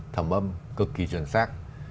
thẩm âm cực kỳ chuẩn xác